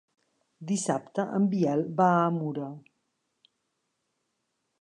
Dissabte en Biel va a Mura.